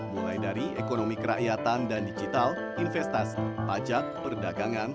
mulai dari ekonomi kerakyatan dan digital investasi pajak perdagangan